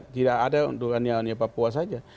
tidak ada untuk aneh aneh papua saja